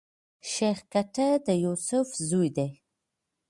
شېخ ګټه د يوسف زوی دﺉ.